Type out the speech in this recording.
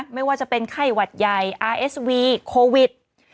ไม่ว่าจะเป็นไข้หวัดใหญ่อาร์เอสวีโควิด